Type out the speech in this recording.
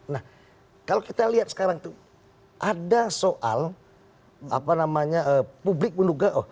nah kalau kita lihat sekarang tuh ada soal apa namanya publik menduga oh